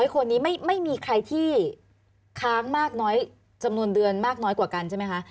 คนนี้ไม่มีใครที่ค้างมากน้อยจำนวนเดือนมากน้อยกว่ากันใช่ไหมคะ